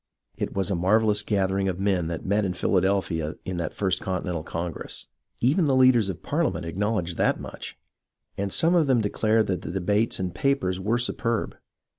It was a marvellous gathering of men that met in Phila delphia in that First Continental Congress. Even the leaders of Parliament acknowledged that much, and some of them declared that the debates and papers were superb.